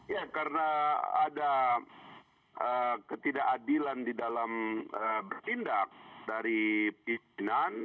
ya karena ada ketidakadilan di dalam bertindak dari pimpinan